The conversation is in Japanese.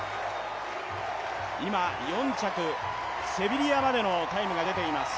今、４着、セビリアまでのタイムが出ています。